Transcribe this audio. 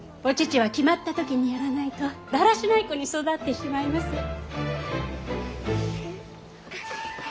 お乳は決まった時にやらないとだらしない子に育ってしまいます。